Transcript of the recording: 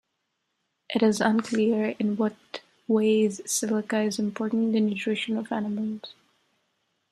It is unclear in what ways silica is important in the nutrition of animals.